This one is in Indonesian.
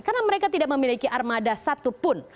karena mereka tidak memiliki armada satupun